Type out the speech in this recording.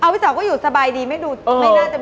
พี่สาวก็อยู่สบายดีไม่ดูไม่น่าจะมีปัญหาอะไร